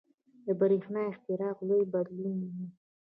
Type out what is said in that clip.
• د برېښنا اختراع لوی بدلون و.